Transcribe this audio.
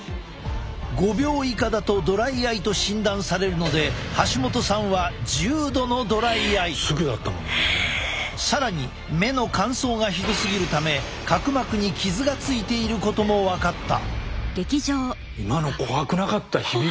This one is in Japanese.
５秒以下だとドライアイと診断されるので橋本さんは更に目の乾燥がひどすぎるため角膜に傷がついていることも分かった。